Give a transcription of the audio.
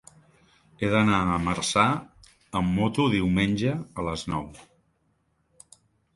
He d'anar a Marçà amb moto diumenge a les nou.